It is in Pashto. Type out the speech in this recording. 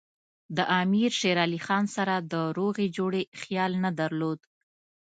د امیر شېر علي خان سره د روغې جوړې خیال نه درلود.